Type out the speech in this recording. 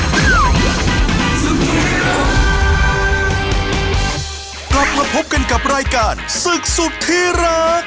กลับมาพบกันกับรายการศึกสุดที่รัก